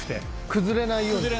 「崩れないように」